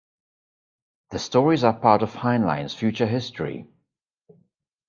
The stories are part of Heinlein's Future History.